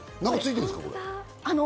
何かついてるんですか？